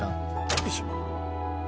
よいしょ。